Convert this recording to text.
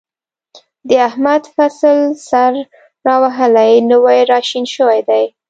د احمد فصل سر را وهلی، نوی را شین شوی دی.